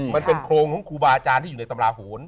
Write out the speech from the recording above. มันเป็นโครงของครูบาอาจารย์ในทรัพย์หลาหูน